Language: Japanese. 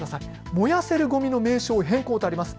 燃やせるごみの名称変更とあります。